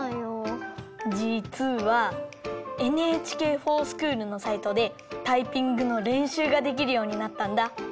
じつはＮＨＫｆｏｒＳｃｈｏｏｌのサイトでタイピングのれんしゅうができるようになったんだ。